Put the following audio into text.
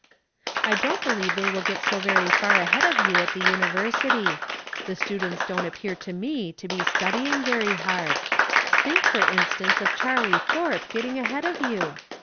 I don't believe they will get so very far ahead of you at the University ; the students don't ap pear to me to be studying very hard. Tliink, for instance, of Charlie Thorpe getting ahead of you!